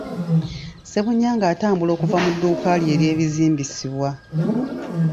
Ssebunya nga atambula okuva mu dduuka lye ery'ebizimbisibwa.